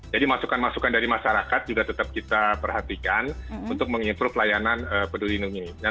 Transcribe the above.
jadi masukan masukan dari masyarakat juga tetap kita perhatikan untuk mengimprove layanan peduli lindungi ini